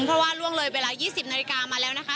เพราะว่าล่วงเลยเวลา๒๐นาฬิกามาแล้วนะคะ